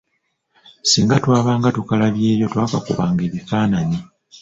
Singa twabanga tukalabyeyo twakakubanga ebifaananyi